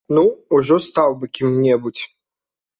Ну ўжо стаў бы кім-небудзь!